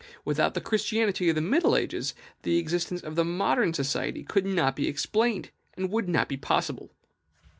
Without the Christianity of the middle ages, the existence of modern society could not be explained, and would not be possible.